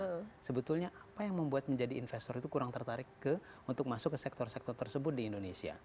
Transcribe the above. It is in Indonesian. nah sebetulnya apa yang membuat menjadi investor itu kurang tertarik untuk masuk ke sektor sektor tersebut di indonesia